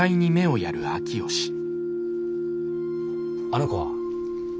あの子は？